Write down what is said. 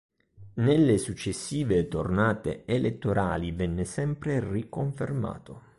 Nelle successive tornate elettorali venne sempre riconfermato.